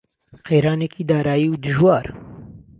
قەیرانێکی دارایی دژوار